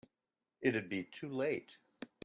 It'd be too late.